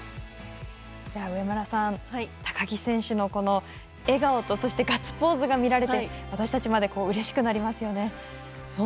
上村さん、高木選手の笑顔とガッツポーズが見られて、私たちまでうれしくなりますよね。